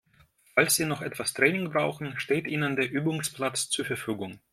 Falls Sie noch etwas Training brauchen, steht Ihnen der Übungsplatz zur Verfügung.